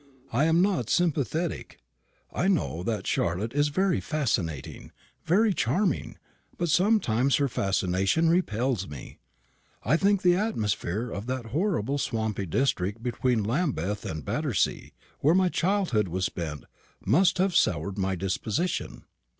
I am not sympathetic. I know that Charlotte is very fascinating, very charming; but sometimes her very fascination repels me. I think the atmosphere of that horrible swampy district between Lambeth and Battersea, where my childhood was spent, must have soured my disposition."